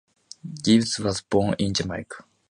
Gibbs was born in Jamaica.